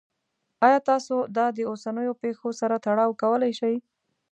ایا تاسو دا د اوسنیو پیښو سره تړاو کولی شئ؟